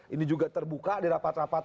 ini juga terbuka di rapat rapat